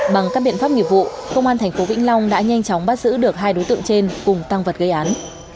bằng các biện pháp nghiệp vụ công an tp vĩnh long đã nhanh chóng bắt giữ được hai đối tượng trên cùng tăng vật gây án